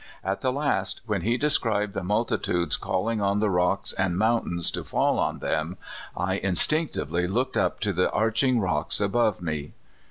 At the last, when he described the multitudes calling on the rocks and mountains to fall on them, I in stinctively looked up to the arching rocks above me.